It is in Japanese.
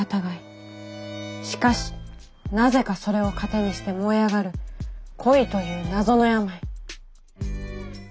しかしなぜかそれを糧にして燃え上がる恋という謎の病。